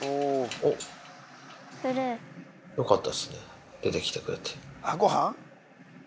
おっ、よかったっすね、出てきてくれて。